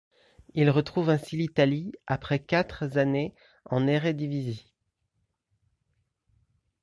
Il retrouve ainsi l'Italie après quatre années en Eredivisie.